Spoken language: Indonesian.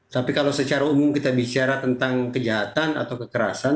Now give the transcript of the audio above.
tapi kalau secara umum kita bicara tentang kejahatan atau kekerasan